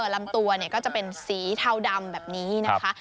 ลำตัวก็จะเป็นสีเทาดำแบบนี้นะคะ